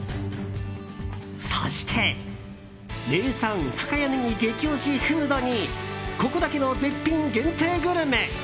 そして名産・深谷ねぎ激推しフードにここだけの絶品限定グルメ。